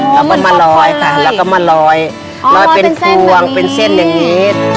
แล้วก็มาลอยค่ะแล้วก็มาลอยลอยเป็นพวงเป็นเส้นอย่างนี้